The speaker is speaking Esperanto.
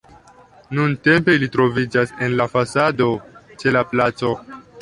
Nuntempe ili troviĝas en la fasado ĉe la placo.